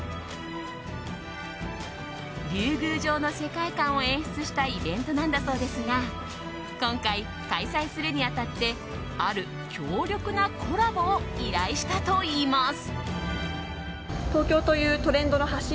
竜宮城の世界観を演出したイベントなんだそうですが今回、開催するに当たってある強力なコラボを依頼したといいます。